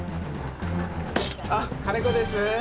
あっ金子です。